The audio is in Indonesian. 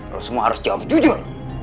kalau semua harus jawab jujur